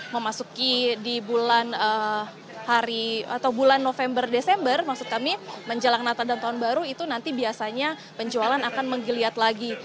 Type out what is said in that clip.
memasuki di bulan hari atau bulan november desember maksud kami menjelang natal dan tahun baru itu nanti biasanya penjualan akan menggeliat lagi